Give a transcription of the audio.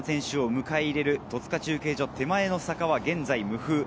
そして２区の選手を迎え入れる戸塚中継所手前の坂は現在無風。